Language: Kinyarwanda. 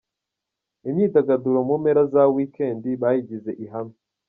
Imyidagaduro mu mpera za week end bayigize ihame.